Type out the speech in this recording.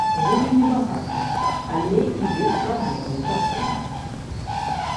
Жылі не багата, але і без праблем з грашыма.